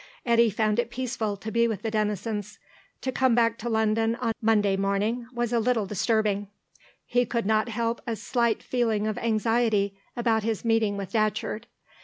Eddy found it peaceful to be with the Denisons. To come back to London on Monday morning was a little disturbing. He could not help a slight feeling of anxiety about his meeting with Datcherd.